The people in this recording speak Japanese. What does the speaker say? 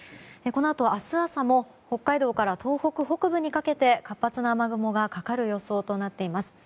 このあと、明日朝も北海道から東北北部にかけて活発な雨雲がかかる予想となっています。